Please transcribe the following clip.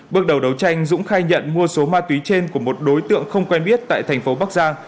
bước đầu đấu tranh dũng khai nhận mua số ma túy trên của một đối tượng không quen biết tại thành phố bắc giang